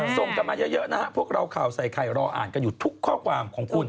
ส่งกันมาเยอะนะฮะพวกเราข่าวใส่ไข่รออ่านกันอยู่ทุกข้อความของคุณ